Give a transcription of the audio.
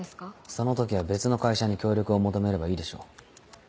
その時は別の会社に協力を求めればいいでしょ。